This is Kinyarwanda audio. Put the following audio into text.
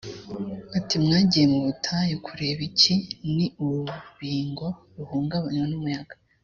ati mwagiye mu butayu kureba iki ni urubingo ruhungabanywa n umuyaga